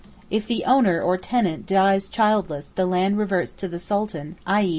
If the owner or tenant dies childless the land reverts to the Sultan, _i.